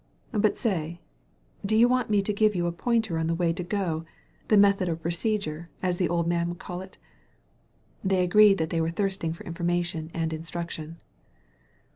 But say, do you want me to give you a pointer on the way to go, the 150 THE HEARING EAR method of procedure, as the old man would call it?'* They agreed that they were thirsting for informa tion and instruction.